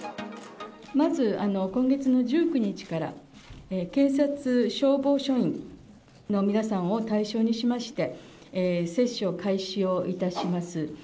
まず、今月の１９日から、警察、消防署員の皆さんを対象にしまして、接種を開始をいたします。